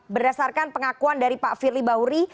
berdasarkan pengakuan dari pak firly bahuri